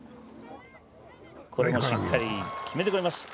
これもしっかり決めてくれます。